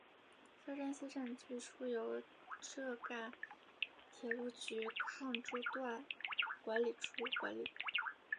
萧山西站最初由浙赣铁路局杭诸段管理处管理。